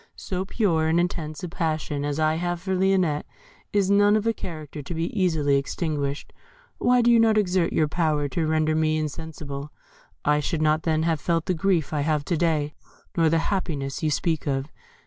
So pure and intense a passion as I have for Lionette is not of a character to be easily extinguished. Why did you not exert your power to render me insensible? I should not then have felt the grief I have to day, nor the happiness you speak of.